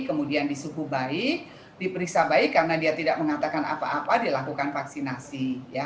kemudian disuku baik diperiksa baik karena dia tidak mengatakan apa apa dilakukan vaksinasi